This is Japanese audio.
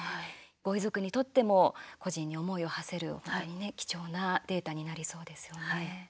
ご遺族にとっても故人に思いをはせる貴重なデータになりそうですよね。